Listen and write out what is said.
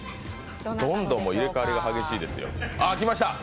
どんどん入れ替わりが激しいですよ、来ました。